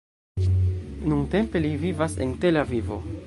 Nuntempe li vivas en Tel Avivo.